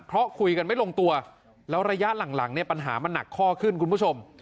เพราะคุยกันไม่ลงตัวแล้วระยะหลังเนี่ยปัญหามันหนักข้อขึ้นคุณผู้ชม